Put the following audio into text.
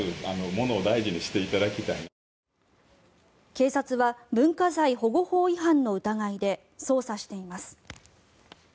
警察は文化財保護法違反の疑いで捜査しています。